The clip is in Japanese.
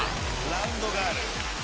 ラウンドガール。